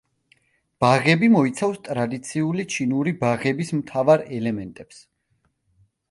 ბაღები მოიცავს ტრადიციული ჩინური ბაღების მთავარ ელემენტებს.